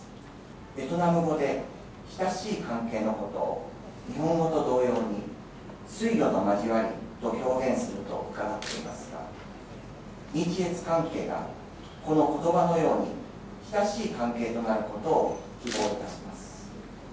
ベトナム語で親しい関係のことを、日本語と同様に、水魚の交わりと表現すると伺っていますが、日越関係がこのことばのように親しい関係となることを希望いたします。